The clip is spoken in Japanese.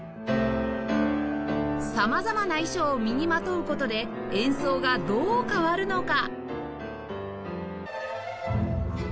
様々な衣装を身にまとう事で演奏がどう変わるのか？